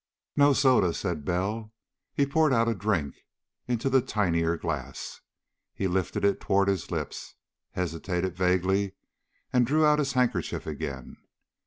"No soda," said Bell. He poured out a drink into the tinier glass. He lifted it toward his lips, hesitated vaguely, and drew out his handkerchief again.